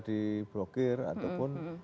di blokir ataupun